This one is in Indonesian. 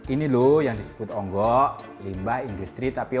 ini lho yang disebut ongok limbah industri tapioka